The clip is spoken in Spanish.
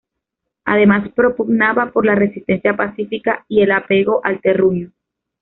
Además propugnaba por la resistencia pacífica y el apego al terruño.